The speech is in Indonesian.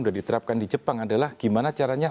sudah diterapkan di jepang adalah gimana caranya